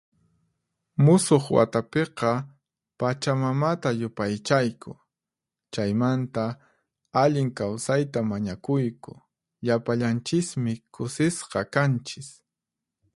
Musuq watapiqa Pachamamata yupaychayku, chaymanta allin kawsayta mañakuyku. Llapallanchismi kusisqa kanchis.